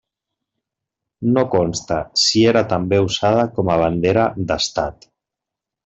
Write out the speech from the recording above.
No consta si era també usada com a bandera d'estat.